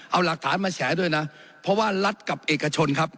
เอาหลักฐานมาแฉด้วยนะเพราะว่ารัฐกับเอกชนครับ